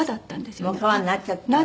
もう川になっちゃってた。